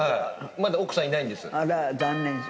まだ奥さんいないんです。